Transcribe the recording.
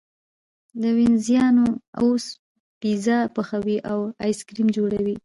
وینزیان اوس پیزا پخوي او ایس کریم جوړوي.